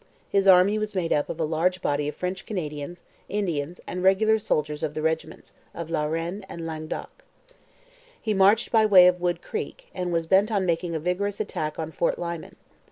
His army was made up of a large body of French Canadians, Indians, and regular soldiers of the regiments of La Reine and Languedoc. He marched by way of Wood Creek, and was bent on making a vigorous attack on Fort Lyman.